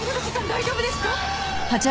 大丈夫ですか？